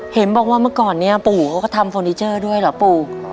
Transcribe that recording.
เห็นบอกว่าเมื่อก่อนเนี่ยปู่เขาก็ทำเฟอร์นิเจอร์ด้วยเหรอปู่